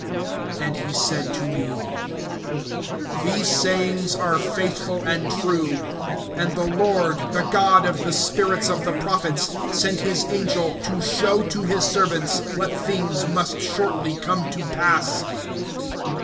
(6)And he said to me: These sayings are faithful and true; and the Lord, the God of the spirits of the prophets, sent his angel to show to his servants what things must shortly come to pass.